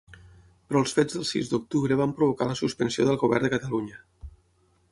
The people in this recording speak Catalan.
Però els fets del sis d'octubre van provocar la suspensió del govern de Catalunya.